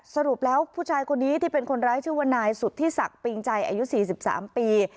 สรุปแล้วผู้ชายคนนี้ที่เป็นคนร้ายชื่อวนายสุดที่ศักดิ์ปริงใจอายุสี่สิบสามปี